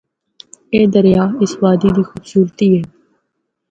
اے دریا اس وادی دی خوبصورتی اے۔